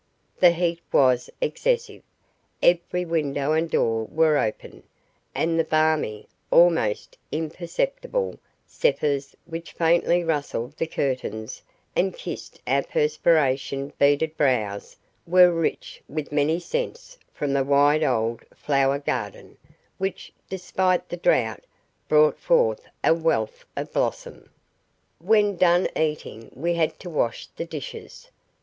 The heat was excessive. Every window and door were open, and the balmy, almost imperceptible, zephyrs which faintly rustled the curtains and kissed our perspiration beaded brows were rich with many scents from the wide old flower garden, which, despite the drought, brought forth a wealth of blossom. When done eating we had to wash the dishes.